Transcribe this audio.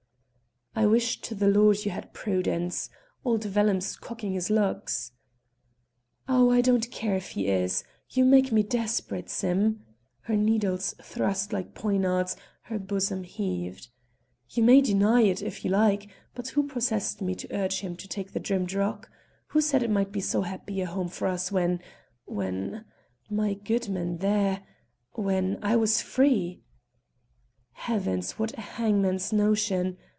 "I wish to the Lord you had prudence; old Vellum's cocking his lugs." "Oh, I don't care if he is; you make me desperate, Sim." Her needles thrust like poignards, her bosom heaved. "You may deny it if you like, but who pressed me to urge him on to take Drim darroch? Who said it might be so happy a home for us when when my goodman there when I was free?" "Heavens! what a hangman's notion!"